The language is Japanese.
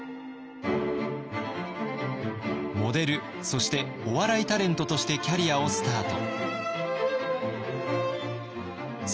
モデルそしてお笑いタレントとしてキャリアをスタート。